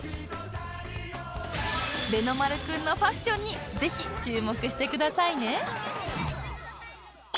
レノ丸君のファッションにぜひ注目してくださいね！